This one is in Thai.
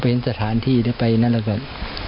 พอไปเห็นสถานที่หรือไปนั่นแหละก็